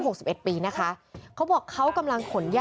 โดนฟันเละเลย